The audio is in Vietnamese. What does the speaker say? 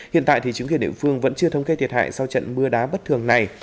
hiện tại chính quyền địa phương vẫn chưa thông kê thiệt hại sau trận mưa đá bất thường này